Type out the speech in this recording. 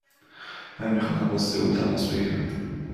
من می خواهم با سئول تماس بگیرم.